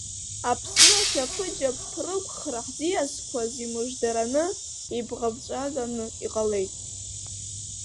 Аԥсны ашәаԥыџьаԥ рықәхра ҳӡиасқәа рзы имыждараны, ибӷаԥҵәаганы иҟалеит.